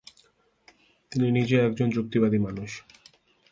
তিনি নিজে একজন যুক্তিবাদী মানুষ।